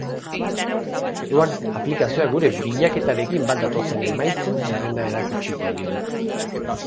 Orduan, aplikazioak gure bilaketarekin bat datozen emaitzen zerrenda erakutsiko digu.